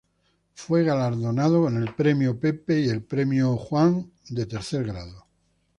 Fue galardonado con el Premio Lenin y el Premio Stalin de tercer grado.